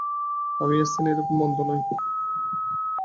আমি এ স্থানে একরকম মন্দ নাই।